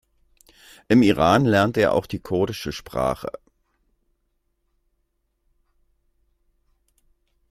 Im Iran lernte er auch die kurdische Sprache.